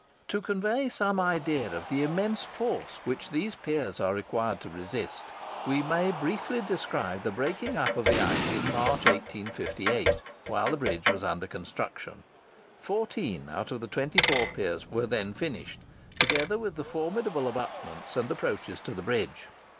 To convey some idea of the immense force which these piers are required to resist, we may briefly describe the breaking up of the ice in March, 1858, while the bridge was under construction. Fourteen out of the twenty four piers were then finished, together with the formidable abutments and approaches to the bridge.